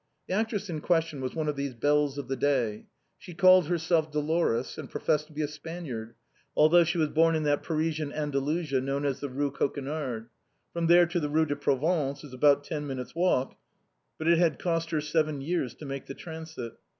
The actress in question was one of these belles of the day. She called herself Dolores, and professed to be a 210 THE BOHEMIANS OF THE LATIN QUARTER. Spaniard, although she was born in that Parisian Anda lusia known as the Rue Coquenard. From there to the Rue de Provence is about ten minutes' walk, but it had cost her seven years to make the transit.